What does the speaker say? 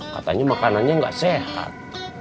katanya makanannya nggak sehat